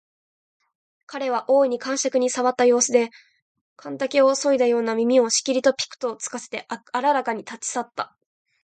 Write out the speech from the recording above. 彼は大いに肝癪に障った様子で、寒竹をそいだような耳をしきりとぴく付かせてあららかに立ち去った